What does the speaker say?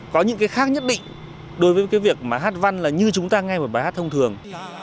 có những cái khác nhất định đối với cái việc mà hát văn là như chúng ta nghe một bài hát thông thường